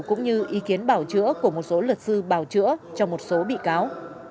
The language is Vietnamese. cũng như ý kiến bảo chữa của một số luật sư bào chữa cho một số bị cáo